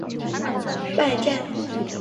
拜占庭帝国并没有皇帝世袭的正式体制。